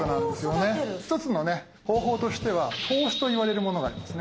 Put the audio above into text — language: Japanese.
一つのね方法としては投資といわれるものがありますね。